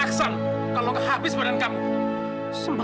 aksan kalau habis badan kamu